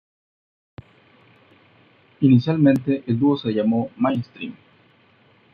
Inicialmente el dúo se llamó "Mainstream".